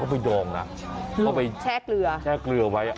เขาไปดองนะเข้าไปแช่เกลือ